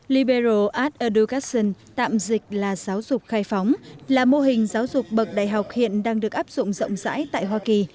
liberal art education tạm dịch là giáo dục khai phóng là mô hình giáo dục bậc đại học hiện đang được áp dụng rộng rãi tại hoa kỳ